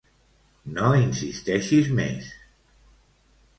No insisteixis més.